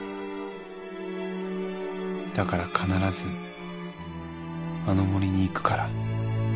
「だから必ずあの森に行くから」